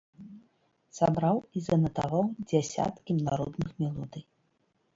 Сабраў і занатаваў дзесяткі народных мелодый.